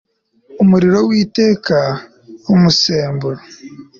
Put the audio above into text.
umuriro w iteka w umusemburo